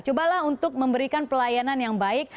cobalah untuk memberikan pelayanan yang baik